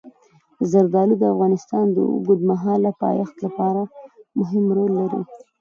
زردالو د افغانستان د اوږدمهاله پایښت لپاره مهم رول لري.